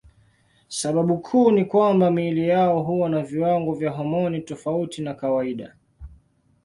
Sababu kuu ni kwamba miili yao huwa na viwango vya homoni tofauti na kawaida.